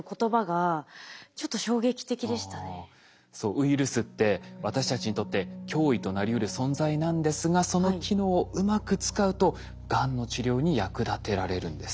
ウイルスって私たちにとって脅威となりうる存在なんですがその機能をうまく使うとがんの治療に役立てられるんです。